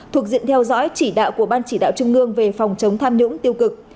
thuộc diện theo dõi chỉ đạo của ban chỉ đạo trung ương về phòng chống tham nhũng tiêu cực